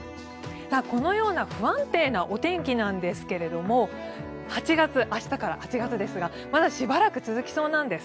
このような不安定なお天気なんですが８月、明日から８月ですがまだしばらく続きそうなんです。